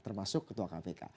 termasuk ketua kpk